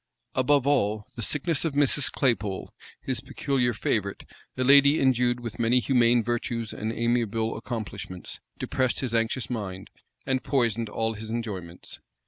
Above all, the sickness of Mrs. Claypole, his peculiar favorite, a lady endued with many humane virtues and amiable accomplishments, depressed his anxious mind, and poisoned all his enjoyments.